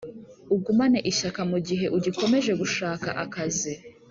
ugumane ishyaka mu gihe ugikomeje gushaka akazi